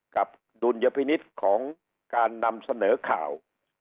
ดุลยพินิษฐ์ของการนำเสนอข่าว